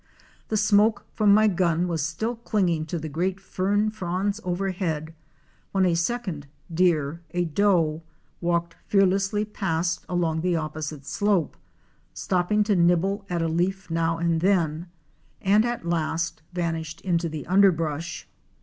The smoke from my gun was still clinging to the great fern fronds overhead, when a second deer, a doe, walked fearlessly past along the opposite slope, stopping to nibble at a leaf now and then, and at last vanished in the underbrush.